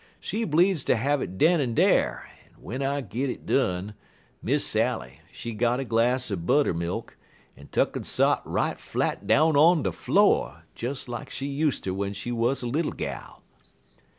She bleedzd ter have it den en dar; en w'en I git it done, Miss Sally, she got a glass er buttermilk, en tuck'n sot right flat down on de flo', des like she useter w'en she wuz little gal."